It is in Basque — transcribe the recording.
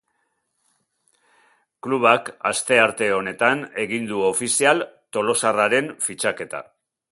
Klubak astearte honetan egin du ofizial tolosarraren fitxaketa.